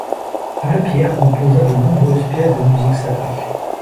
Lapierre composa de nombreuses pièces de musique sacrée.